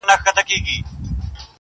o اورۍ او نوک نه سره جلا کېږي!